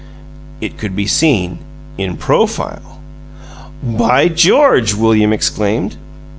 It could be seen in PROFILE. "By GEORGE!" William exclaimed.